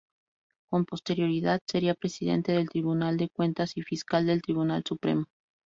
Con posterioridad sería presidente del Tribunal de Cuentas y fiscal del Tribunal Supremo.